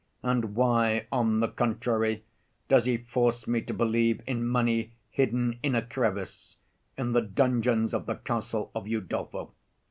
And why, on the contrary, does he force me to believe in money hidden in a crevice, in the dungeons of the castle of Udolpho?